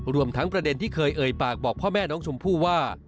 รวมทั้งประเด็นที่เคยเอ่ยปากบอกพ่อแม่น้องชมพู่ว่า